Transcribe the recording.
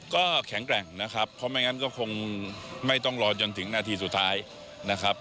ก็แข็งแกร่งนะครับเพราะไม่งั้นก็คงไม่ต้องรอจนถึงนาทีสุดท้ายนะครับ